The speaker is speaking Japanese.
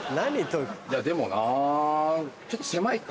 でもなぁちょっと狭いか。